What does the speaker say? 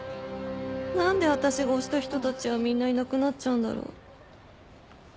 何で私が推した人たちはみんないなくなっちゃうんだろう